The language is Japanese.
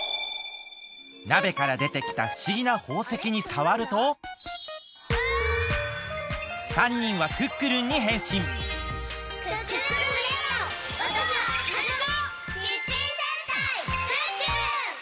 なべからでてきたふしぎなほうせきにさわると３にんはクックルンにへんしんキッチン戦隊クックルン！